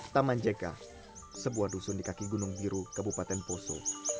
taman jeka sebuah dusun di kaki gunung biru kabupaten poso